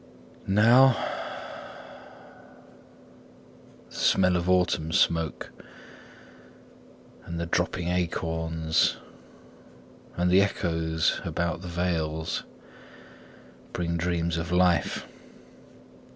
Now, the smell of the autumn smoke, And the dropping acorns, And the echoes about the vales Bring dreams of life.